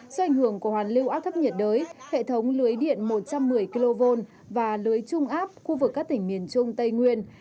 do ảnh hưởng của hoàn lưu áp thấp nhiệt đới hệ thống lưới điện một trăm một mươi kv và lưới trung áp khu vực các tỉnh miền trung tây nguyên